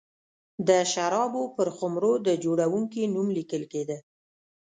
د شرابو پر خُمرو د جوړوونکي نوم لیکل کېده.